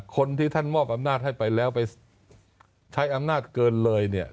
คนที่ท่านมอบอำนาจให้ไปแล้วไปใช้อำนาจเกินเลยเนี่ย